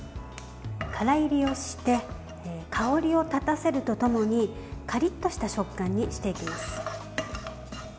乾煎りをして香りを立たせるとともにカリッとした食感にしていきます。